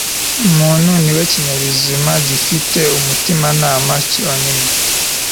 umuntu ni we kinyabuzima gifite umutimanama cyonyine